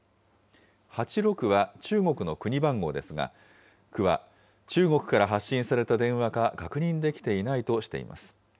８６は中国の国番号ですが、区は、中国から発信された電話か確認できていないとしています。